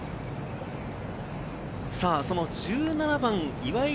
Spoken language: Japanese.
１７番、岩井